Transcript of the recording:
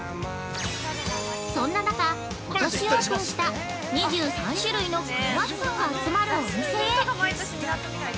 そんな中、今年オープンした２３種類のクロワッサンが集まるお店へ。